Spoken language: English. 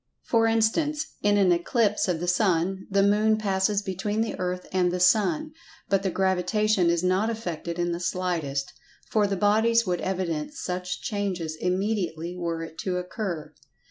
For instance, in an eclipse of the Sun, the Moon passes between the Earth and the Sun, but the Gravitation is not affected in the slightest, for the bodies would evidence such change immediately were it to occur.